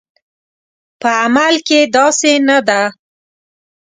په عمل کې داسې نه ده